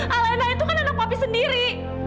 alena itu kan anak papi sendiri